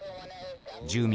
住民